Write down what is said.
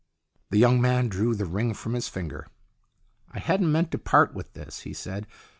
The young man drew the ring from his finger. "I hadn't meant to part with this," he said.